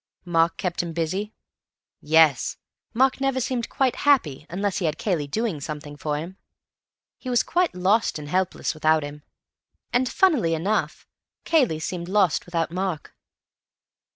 "Mark kept him busy?" "Yes. Mark never seemed quite happy unless he had Cayley doing something for him. He was quite lost and helpless without him. And, funnily enough, Cayley seemed lost without Mark."